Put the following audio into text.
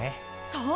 そう！